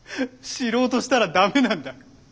知ろうとしたらダメなんだ。